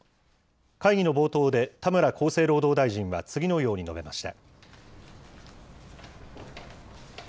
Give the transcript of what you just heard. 会議の冒頭で、田村厚生労働大臣は次のように述べました。